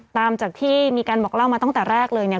ตามจากที่มีการบอกเล่ามาตั้งแต่แรกเลยเนี่ย